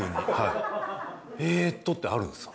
「えっと」ってあるんです。